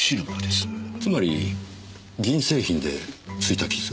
つまり銀製品で付いた傷？